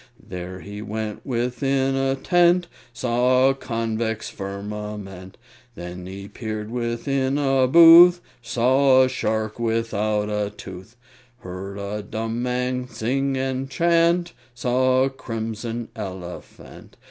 There he went within a tent, Saw a convex firmament; Then he peered within a booth, Saw a shark without a tooth, Heard a dumb man sing and chant, Saw a crimson elephant.